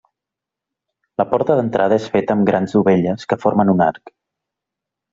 La porta d'entrada és feta amb grans dovelles que formen un arc.